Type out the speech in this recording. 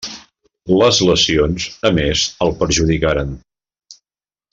Les lesions a més el perjudicaren.